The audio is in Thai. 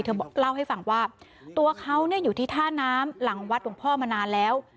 เล่าให้ฟังว่าตัวเขาอยู่ที่ท่าน้ำหลังวัดหลวงพ่อมานานแล้ว